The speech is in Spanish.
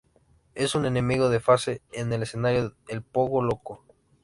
Es un enemigo de fase en el escenario "El Pogo Loco".